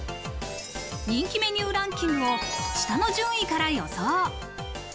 人気メニューランキングを下の順位から予想。